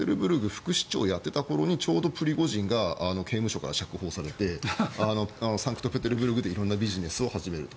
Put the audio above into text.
副市長をやっていた頃にちょうどプリゴジンが刑務所から釈放されてサンクトペテルブルクで色んなビジネスを始めると。